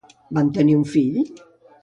Van tenir un fill?